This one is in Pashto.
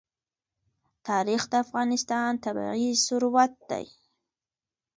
تاریخ د افغانستان طبعي ثروت دی.